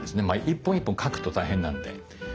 一本一本描くと大変なんで。